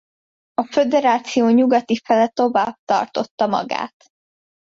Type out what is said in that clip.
A föderáció nyugati fele tovább tartotta magát.